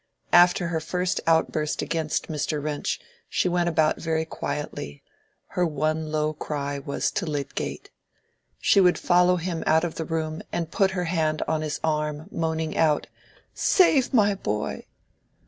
After her first outburst against Mr. Wrench she went about very quietly: her one low cry was to Lydgate. She would follow him out of the room and put her hand on his arm moaning out, "Save my boy."